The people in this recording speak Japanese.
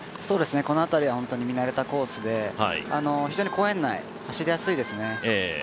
この辺りは見慣れたコースで非常に公園内、走りやすいですね。